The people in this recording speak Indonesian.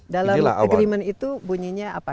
dalam agreement itu bunyinya apa